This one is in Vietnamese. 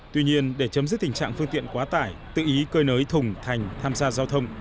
tuy nhiên để chấm dứt tình trạng phương tiện quá tải tự ý cơi nới thùng thành tham gia giao thông